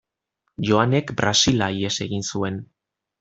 Joanek Brasila ihes egin zuen.